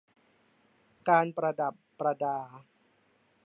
การประดับประดา